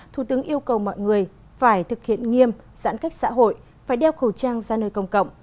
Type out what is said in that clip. thủ tướng yêu cầu mọi người phải thực hiện nghiêm giãn cách xã hội phải đeo khẩu trang ra nơi công cộng